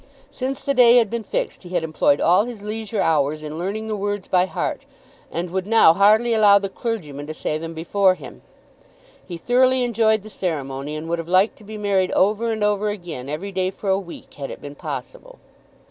Since the day had been fixed he had employed all his leisure hours in learning the words by heart, and would now hardly allow the clergyman to say them before him. He thoroughly enjoyed the ceremony, and would have liked to be married over and over again, every day for a week, had it been possible.